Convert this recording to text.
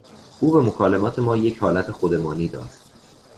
او به مکالمات ما یک حالت خودمانی داد.